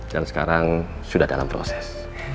dan sekarang sudah dalam proses